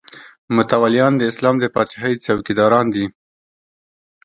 متولیان د اسلام د پاچاهۍ څوکیداران دي.